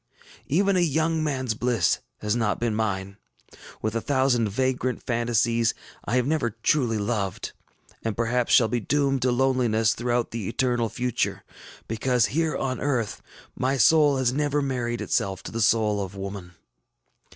Even a young manŌĆÖs bliss has not been mine. With a thousand vagrant fantasies, I have never truly loved, and perhaps shall be doomed to loneliness throughout the eternal future, because, here on earth, my soul has never married itself to the soul of woman.